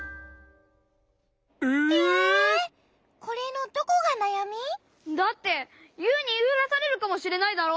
これのどこがなやみ？だってユウにいいふらされるかもしれないだろ？